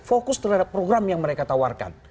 fokus terhadap program yang mereka tawarkan